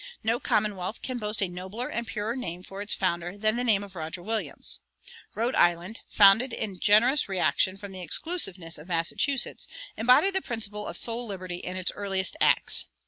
No commonwealth can boast a nobler and purer name for its founder than the name of Roger Williams. Rhode Island, founded in generous reaction from the exclusiveness of Massachusetts, embodied the principle of "soul liberty" in its earliest acts.